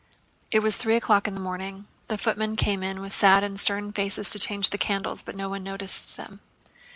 It was three o'clock in the morning. The footmen came in with sad and stern faces to change the candles, but no one noticed them.